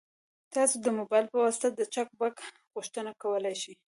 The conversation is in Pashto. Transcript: تاسو د موبایل په واسطه د چک بک غوښتنه کولی شئ.